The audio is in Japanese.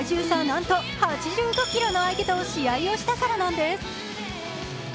なんと８５ｋｇの相手と試合をしたからなんです。